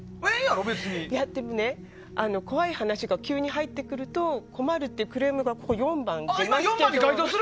でもね、怖い話が急に入ってくると困るっていうクレームが４番になります。